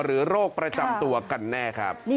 โรคประจำตัวกันแน่ครับ